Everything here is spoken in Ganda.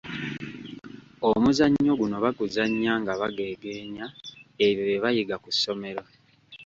Omuzannyo guno baguzannya nga bageegeenya ebyo bye bayiga ku ssomero.